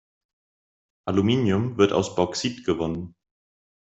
Aluminium wird aus Bauxit gewonnen.